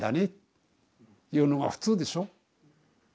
言うのが普通でしょ。